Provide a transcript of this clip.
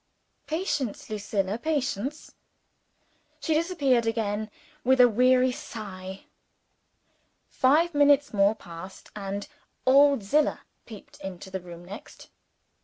"Patience, Lucilla patience!" She disappeared again, with a weary sigh. Five minutes more passed; and old Zillah peeped into the room next.